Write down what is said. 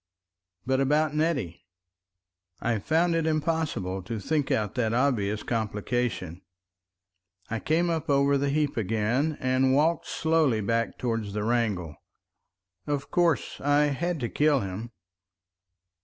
But about Nettie? I found it impossible to think out that obvious complication. I came up over the heap again, and walked slowly back towards the wrangle. Of course I had to kill him.